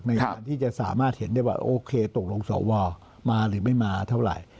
ในการที่จะสามารถเห็นได้ว่าโอเคตกลงสวมาหรือไม่มาเท่าไหร่